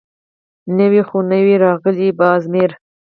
_نوي خو نه يو راغلي، باز مير.